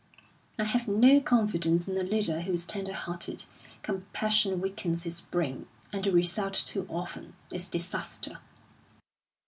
I have no confidence in a leader who is tender hearted. Compassion weakens his brain, and the result, too often, is disaster."